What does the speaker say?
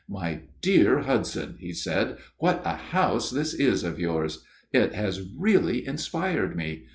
' My dear Hudson,' he said, ' what a house this is of yours ! It has really inspired me.